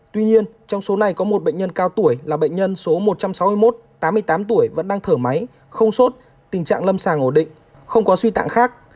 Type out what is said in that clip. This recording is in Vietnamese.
tuy nhiên trong số này có một bệnh nhân cao tuổi là bệnh nhân số một trăm sáu mươi một tám mươi tám tuổi vẫn đang thở máy không sốt tình trạng lâm sàng ổ định không có suy tạng khác